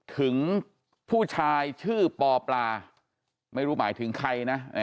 ถึงผู้ชายชื่อปอปลาไม่รู้หมายถึงใครนะ